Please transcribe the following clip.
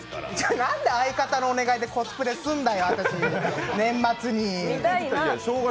なんで相方のお願いでコスプレすんだよ、私、見たいな。